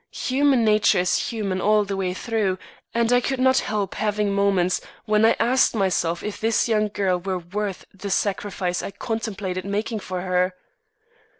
Human nature is human all the way through, and I could not help having moments when I asked myself if this young girl were worth the sacrifice I contemplated making for her?